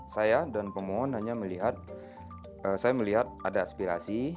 saya dan pemohon hanya melihat saya melihat ada aspirasi